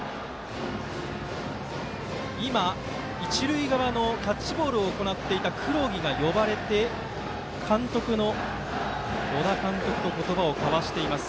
今、一塁側のキャッチボールを行っていた黒木が呼ばれて小田監督と言葉を交わしています。